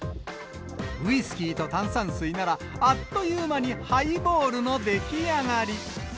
ウイスキーと炭酸水なら、あっという間にハイボールの出来上がり。